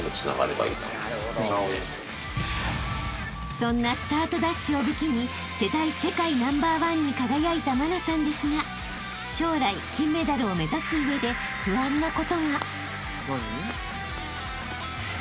［そんなスタートダッシュを武器に世代世界ナンバーワンに輝いた茉奈さんですが将来金メダルを目指す上で不安なことが］